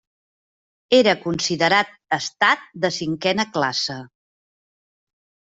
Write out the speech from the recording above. Era considerat estat de cinquena classe.